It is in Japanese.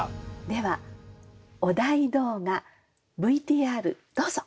ではお題動画ＶＴＲどうぞ。